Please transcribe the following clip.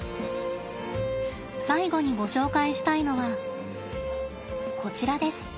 最後にご紹介したいのはこちらです。